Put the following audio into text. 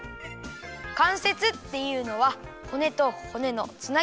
かんせつっていうのは骨と骨のつなぎめなんだ！